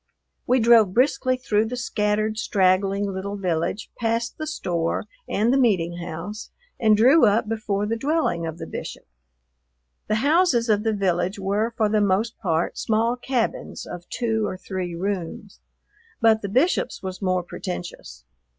We drove briskly through the scattered, straggling little village, past the store and the meeting house, and drew up before the dwelling of the Bishop. The houses of the village were for the most part small cabins of two or three rooms, but the Bishop's was more pretentious.